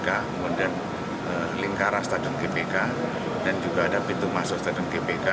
kemudian lingkaran stadion gbk dan juga ada pintu masuk stadion gbk